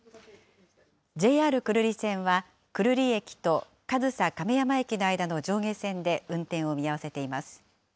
ＪＲ久留里線は、久留里駅と上総亀山駅の間の上下線で運転を見合わせています。